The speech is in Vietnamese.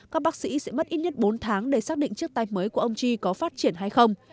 các bác sĩ sẽ mất ít nhất bốn tháng để xác định chiếc tay mới của ông chi có phát triển hay không